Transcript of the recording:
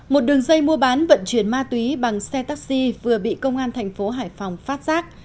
một đường dây mua bán vận chuyển ma túy bằng xe taxi vừa bị công an thành phố hải phòng phát giác